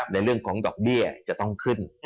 ในเรื่องของดอกเบี้ยจะต้องขึ้น